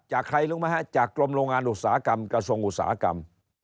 ใครรู้ไหมฮะจากกรมโรงงานอุตสาหกรรมกระทรงอุตสาหกรรม